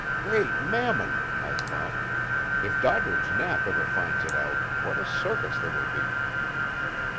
"Great Mammon!" I thought. "If Doddridge Knapp ever finds it out, what a circus there will be!"